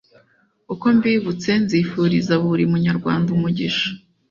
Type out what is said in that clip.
uko mbibutse nzifuriza buri munyarwanda umugisha